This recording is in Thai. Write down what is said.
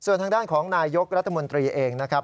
ส่วนทางด้านของนายยกรัฐมนตรีเองนะครับ